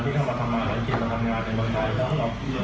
ที่ของเราต้องใช้ความกระทิบต่อไปไกล